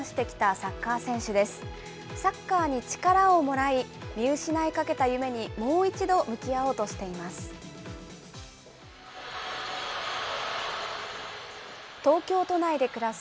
サッカーに力をもらい、見失いかけた夢にもう一度向き合おうとしています。